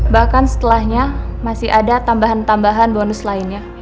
bahkan setelahnya masih ada tambahan tambahan bonus lainnya